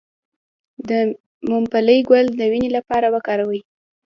د ممپلی ګل د وینې لپاره وکاروئ